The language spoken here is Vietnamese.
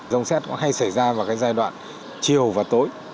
rông xét có hay xảy ra vào cái giai đoạn chiều và tối